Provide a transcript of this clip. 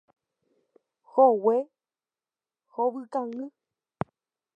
Hogue hovykangy.